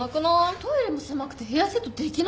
トイレも狭くてヘアセットできなくない？